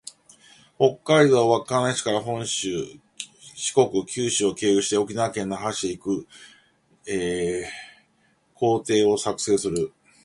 北海道稚内市から本州、四国、九州を経由して、沖縄県那覇市へ行く旅程を作成する